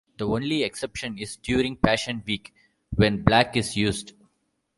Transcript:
The only exception is during Passion Week when black is used.